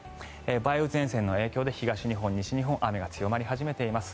梅雨前線の影響で東日本、西日本雨が強まり始めています。